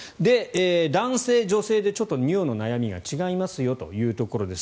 男性、女性で尿の悩みが違いますよというところです。